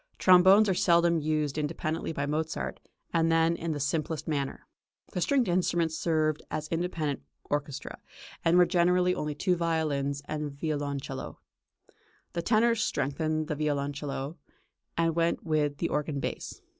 Trombones are seldom used independently by Mozart, and then in the simplest manner. The stringed instruments served as independent orchestra, and were generally only two violins and violoncello; the {ORCHESTRA.} (283) tenors strengthened the violoncello, which went with the organ bass.